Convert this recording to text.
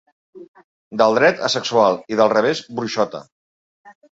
Del dret, asexual i del revés bruixota.